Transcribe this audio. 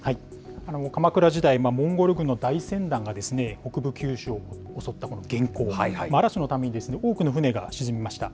鎌倉時代、モンゴル軍の大船団が、北部九州を襲った元寇、多くの船が沈みました。